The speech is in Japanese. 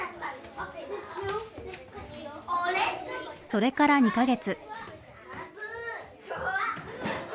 それから２か月。